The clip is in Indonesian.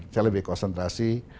saya lebih konsentrasi